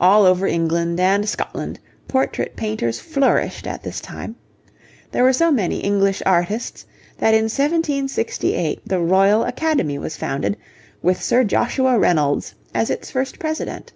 All over England and Scotland portrait painters flourished at this time. There were so many English artists that in 1768 the Royal Academy was founded, with Sir Joshua Reynolds as its first president.